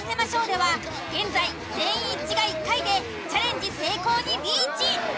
では現在全員一致が１回でチャレンジ成功にリーチ。